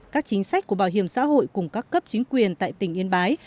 các chính sách của bảo hiểm xã hội cùng các cấp chính quyền tại tỉnh yên bái